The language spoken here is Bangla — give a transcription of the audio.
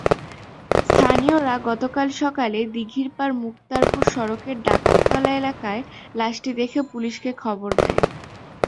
স্থানীয়রা গতকাল সকালে দিঘিরপার-মুক্তারপুর সড়কের ডাকাততলা এলাকায় লাশটি দেখে পুলিশকে খবর দেয়।